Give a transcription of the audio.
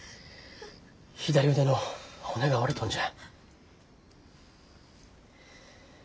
左腕の骨が折れとんじゃ。